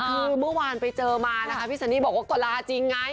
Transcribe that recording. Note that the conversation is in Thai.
คือเมื่อวานไปเจอมานะคะพี่ซันนี่บอกว่าก็ลาจริงไง